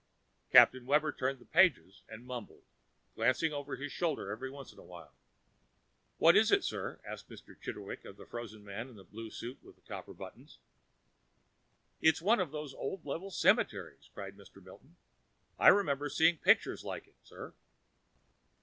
Captain Webber turned the pages and mumbled, glancing over his shoulder every once in a while. "What is it, sir?" asked Mr. Chitterwick of a frozen man in a blue suit with copper buttons. "It's one of those old level cemeteries!" cried Mr. Milton. "I remember seeing pictures like it, sir."